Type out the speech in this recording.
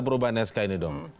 perubahan sk ini dong